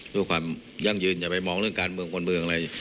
เพื่อความยั่งยืนอย่าไปมองเรื่องการเมืองคนเมืองอะไร